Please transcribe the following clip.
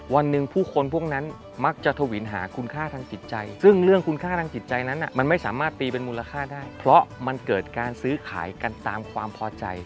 วันหนึ่งผู้คนพวกนั้นมักจะถวินหาคุณค่าทางจิตใจซึ่งเรื่องคุณค่าทางจิตใจนั้นมันไม่สามารถตีเป็นมูลค่าได้เพราะมันเกิดการซื้อขายกันตามความพอใจ